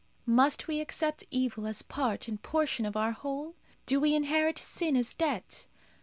Must we accept evil as part and portion of our whole? Do we inherit sin as a debt?